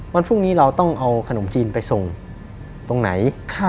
วันพรุ่งนี้เราต้องเอาขนมจีนไปส่งตรงไหน